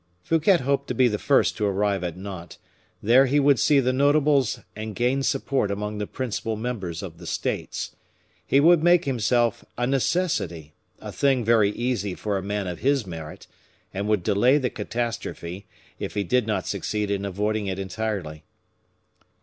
Fouquet hoped to be the first to arrive at Nantes; there he would see the notables and gain support among the principal members of the States; he would make himself a necessity, a thing very easy for a man of his merit, and would delay the catastrophe, if he did not succeed in avoiding it entirely.